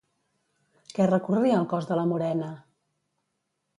Què recorria el cos de la morena?